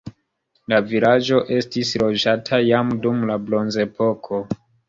La vilaĝo estis loĝata jam dum la bronzepoko.